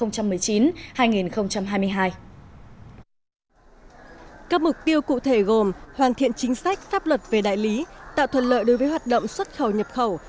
các mục tiêu cụ thể gồm hoàn thiện chính sách pháp luật về đại lý tạo thuận lợi đối với hoạt động xuất khẩu nhập khẩu